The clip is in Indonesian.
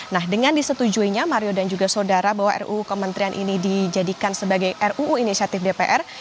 nah dengan disetujuinya mario dan juga saudara bahwa ruu kementerian ini dijadikan sebagai ruu inisiatif dpr